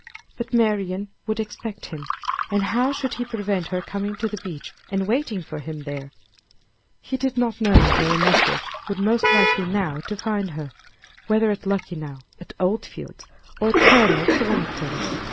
But Marian would expect him. And how should he prevent her coming to the beach and waiting for him there? He did not know where a message would most likely now to find her, whether at Luckenough, at Old Fields or at Colonel Thornton's.